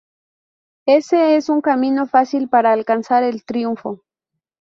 Ese es un camino fácil para alcanzar el triunfo.